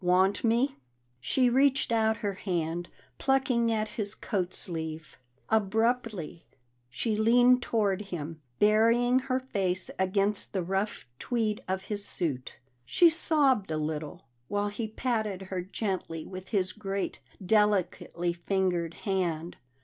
Want me?" She reached out her hand, plucking at his coatsleeve. Abruptly she leaned toward him, burying her face against the rough tweed of his suit; she sobbed a little, while he patted her gently with his great, delicately fingered hand.